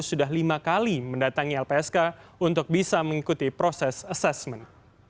sudah lima kali mendatangi lpsk untuk bisa mengikuti proses asesmen